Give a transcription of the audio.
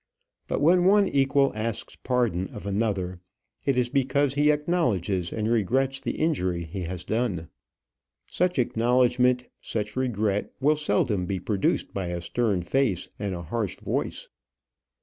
But when one equal asks pardon of another, it is because he acknowledges and regrets the injury he has done. Such acknowledgment, such regret will seldom be produced by a stern face and a harsh voice.